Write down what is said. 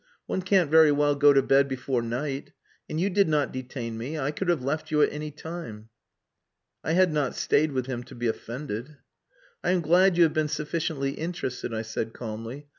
One can't very well go to bed before night. And you did not detain me. I could have left you at any time." I had not stayed with him to be offended. "I am glad you have been sufficiently interested," I said calmly.